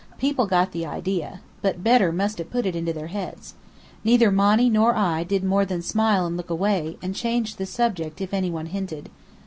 People got the idea. But Bedr must have put it into their heads. Neither Monny nor I did more than smile and look away, and change the subject if any one hinted.